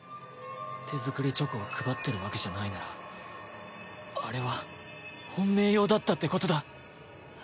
手作りチョコを配ってるわけじゃないならあれは本命用だったってことだ。